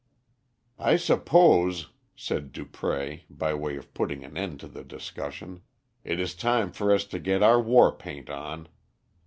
"I suppose," said Dupré, by way of putting an end to the discussion, "it is time for us to get our war paint on.